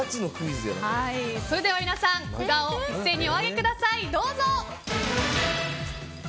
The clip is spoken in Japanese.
それでは皆さん札をお上げください。